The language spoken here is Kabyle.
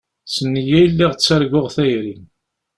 S nneyya i lliɣ ttarguɣ tayri.